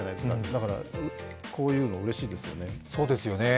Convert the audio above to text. だから、こういうのはうれしいですよね。